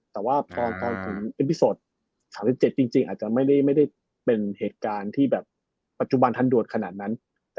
แต่ว่าตอนที่อีพี๓๗จริงอาจจะไม่ได้เป็นเหตุการณ์ที่ปัจจุบันทันโดดขนาดนั้น